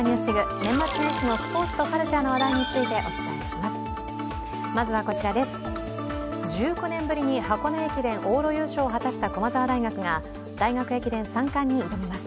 年末年始のスポーツとカルチャーの話題についてお伝えします。